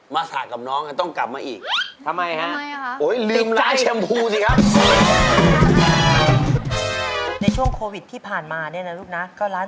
ก็ช่วยค่ะบางทีก็ช่วยได้ผมสระผม